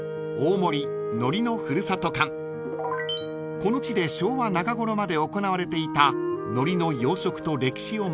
［この地で昭和中頃まで行われていた海苔の養殖と歴史を学び